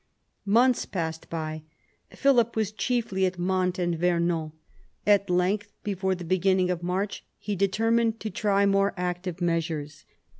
Months passed by. Philip was chiefly at Mantes and Vernon. At length, before the beginning of March, he determined to try more active measures.